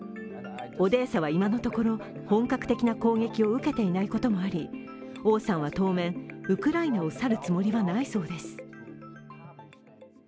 オデーサは今のところ本格的な攻撃を受けていないこともあり王さんは当面、ウクライナを去るつもりはないそうです。